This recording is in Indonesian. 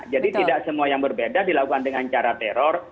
jadi tidak semua yang berbeda dilakukan dengan cara teror